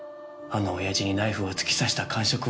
あのオヤジにナイフを突き刺した感触を。